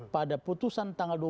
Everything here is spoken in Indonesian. pada persidangan itu